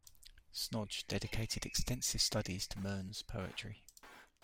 Snoj dedicated extensive studies to Murn's poetry.